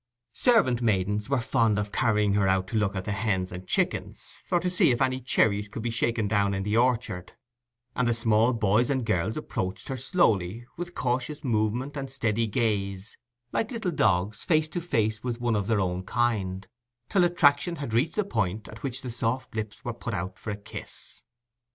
Servant maidens were fond of carrying her out to look at the hens and chickens, or to see if any cherries could be shaken down in the orchard; and the small boys and girls approached her slowly, with cautious movement and steady gaze, like little dogs face to face with one of their own kind, till attraction had reached the point at which the soft lips were put out for a kiss.